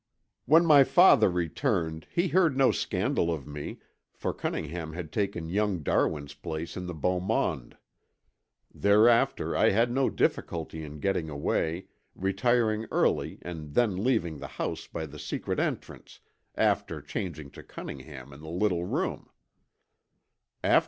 "When my father returned he heard no scandal of me for Cunningham had taken young Darwin's place in the beaumonde. Thereafter I had no difficulty in getting away, retiring early and then leaving the house by the secret entrance, after changing to Cunningham in the little room.